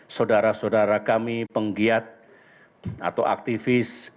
saudara saudara kami penggiat atau aktivis